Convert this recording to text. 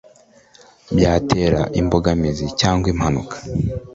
byatera imbogamizi cyangwa impanuka.